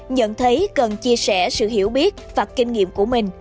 nhận thấy cần chia sẻ sự hiểu biết và kinh nghiệm của mình